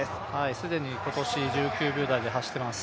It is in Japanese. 既に今年１９秒台で走っています。